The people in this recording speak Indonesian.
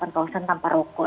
pengawasan tanpa rokok